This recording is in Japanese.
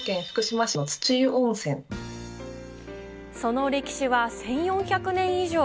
その歴史は１４００年以上。